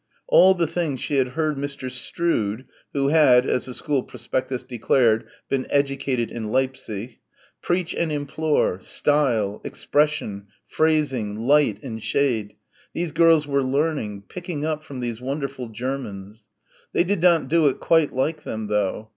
All the things she had heard Mr. Strood who had, as the school prospectus declared, been "educated in Leipzig" preach and implore, "style," "expression," "phrasing," "light and shade," these girls were learning, picking up from these wonderful Germans. They did not do it quite like them though.